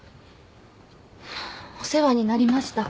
お世話になりました。